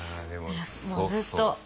もうずっと。